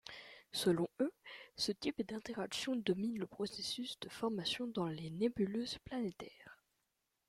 Selon eux, ce type d'interactions domine le processus de formation dans les nébuleuses planétaires.